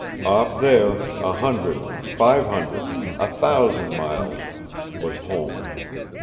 Off there, a hundred, five hundred, a thousand miles was home.